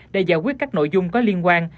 để giải quyết các nội dung có liên quan